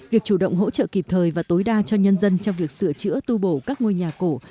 việc chủ động hỗ trợ kịp thời và tối đa cho nhân dân trong việc sửa chữa tu bổ các ngôi nhà cổ